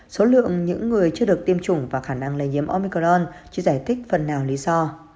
số lượng những người chưa được tiêm chủng và khả năng lây nhiễm omicron chỉ giải thích phần nào lý do